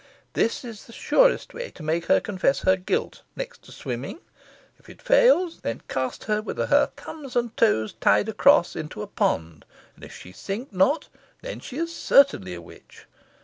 This is the surest Way to make her confess her guilt next to swimming. If it fails, then cast her with her thumbs and toes tied across into a pond, and if she sink not then is she certainly a witch.